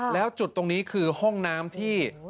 แล้วจุดตรงนี้คือห้องน้ำที่